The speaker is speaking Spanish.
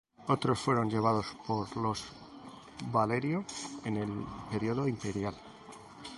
Otros fueron llevados por los Valerio en el periodo imperial.